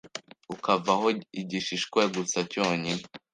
ukavaho igishishwa gusa cyonyine